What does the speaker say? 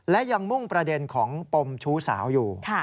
และยังมุ่งประเด็นของปมชู้สาวอยู่